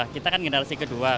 kita kan generasi kedua